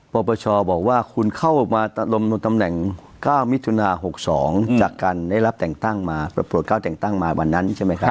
ปรปชบอกว่าคุณเข้าออกมาตำแหน่ง๙๖๒จากการได้รับแต่งตั้งมาปรบปรด๙แต่งตั้งมาวันนั้นใช่ไหมครับ